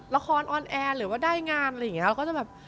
ละครออนแอร์หรือว่าได้งานอะไรแล้ว